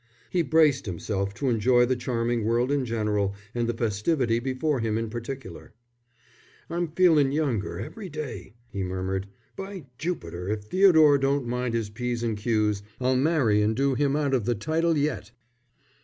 He braced himself to enjoy the charming world in general, and the festivity before him in particular. "I'm feelin' younger every day," he murmured. "By Jupiter, if Theodore don't mind his p's and q's I'll marry and do him out of the title yet."